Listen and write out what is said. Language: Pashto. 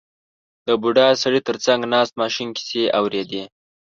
• د بوډا سړي تر څنګ ناست ماشوم کیسې اورېدې.